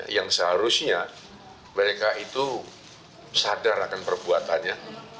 yang seharusnya mereka itu sadar akan perbuatannya